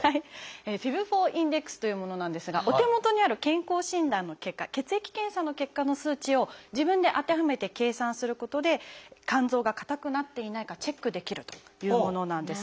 「ＦＩＢ−４ｉｎｄｅｘ」というものなんですがお手元にある健康診断の結果血液検査の結果の数値を自分で当てはめて計算することで肝臓が硬くなっていないかチェックできるというものなんです。